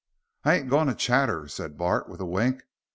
"I ain't goin' to chatter," said Bart, with a wink.